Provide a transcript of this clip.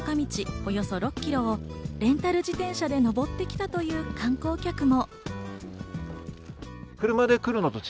およそ６ｋｍをレンタル自転車で登ってきたという観光客も。